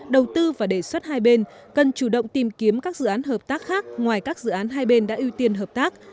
đầu tư và đề xuất hai bên cần chủ động tìm kiếm các dự án hợp tác khác ngoài các dự án hai bên đã ưu tiên hợp tác